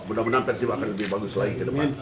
mudah mudahan persib akan lebih bagus lagi ke depan